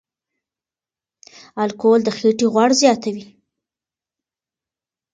الکول د خېټې غوړ زیاتوي.